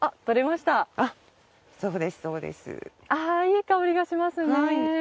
いい香りがしますね。